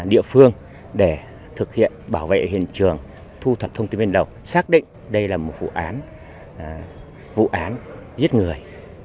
địa phương để thực hiện bảo vệ hiện trường thu thập thông tin bên đầu xác định đây là một vụ án vụ án giết người